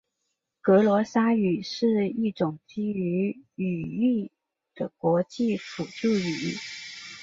格罗沙语是一种基于语义的国际辅助语。